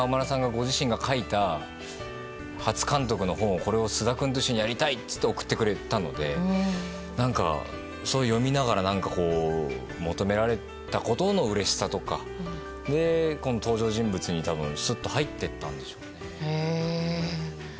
ご自身が書いた初監督の本をこれを菅田君と一緒にやりたいって送ってくれたので何か読みながら求められたことのうれしさとか、登場人物にすっと入っていったんでしょうね。